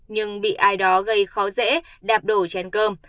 nhưng bị ai đó gây khó dễ đạp đổ trên cơm